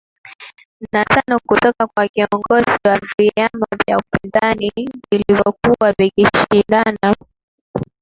na tano kutoka kwa viongozi wa viama vya upinzani vilivyokuwa vikishindana